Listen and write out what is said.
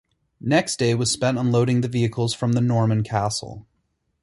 Next day was spent unloading the vehicles from the "Norman Castle".